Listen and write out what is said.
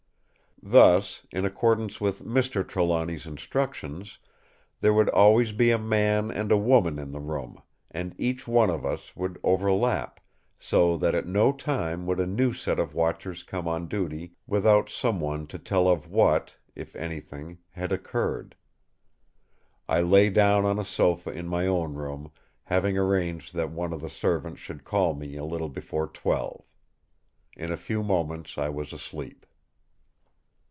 Thus, in accordance with Mr. Trelawny's instructions, there would always be a man and a woman in the room; and each one of us would overlap, so that at no time would a new set of watchers come on duty without some one to tell of what—if anything—had occurred. I lay down on a sofa in my own room, having arranged that one of the servants should call me a little before twelve. In a few moments I was asleep.